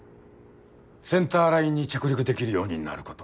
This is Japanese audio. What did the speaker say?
センターラインに着陸できるようになること。